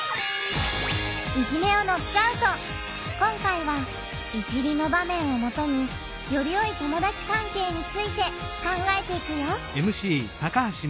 今回は「いじり」の場面をもとによりよい友だち関係について考えていくよ！